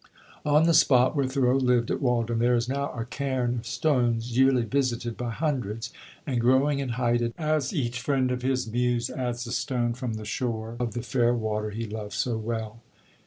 On the spot where Thoreau lived at Walden there is now a cairn of stones, yearly visited by hundreds, and growing in height as each friend of his muse adds a stone from the shore of the fair water he loved so well.